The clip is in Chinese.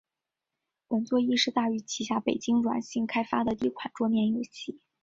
本作亦是大宇旗下北京软星开发的第一款桌面游戏。